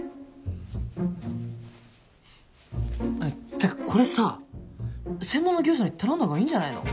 てかこれさ専門の業者に頼んだほうがいいんじゃないの？